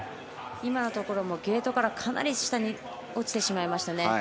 今のところもゲートからかなり下に落ちてしまいました。